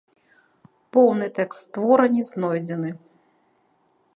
Поўны тэкст твора не знойдзены.